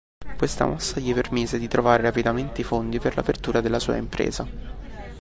Questa mossa gli permise di trovare rapidamente i fondi per l'apertura della sua impresa.